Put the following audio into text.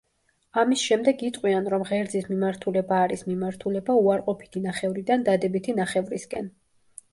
ამის შემდეგ იტყვიან, რომ ღერძის მიმართულება არის მიმართულება უარყოფითი ნახევრიდან დადებითი ნახევრისკენ.